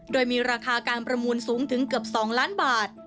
โดยมีราคาการประมูลสูงถึงเกือบ๒ล้านบาท